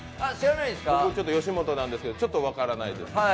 僕も吉本なんですけど、ちょっと分からないです。